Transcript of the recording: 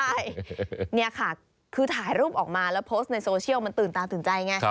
ใช่นี่ค่ะคือถ่ายรูปออกมาแล้วโพสต์ในโซเชียลมันตื่นตาตื่นใจไง